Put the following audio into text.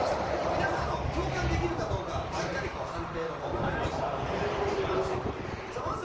皆さん、共感できるかどうかしっかり判定のほうをお願いします。